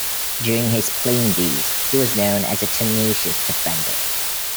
During his playing days, he was known as a tenacious defender.